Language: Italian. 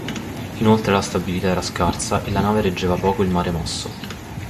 Inoltre la stabilità era scarsa e la nave reggeva poco il mare mosso.